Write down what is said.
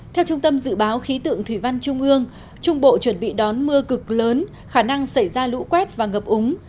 theo trung tâm dự báo khí tượng thủy văn trung ương trung bộ chuẩn bị đón mưa cực lớn khả năng xảy ra lũ quét và ngập úng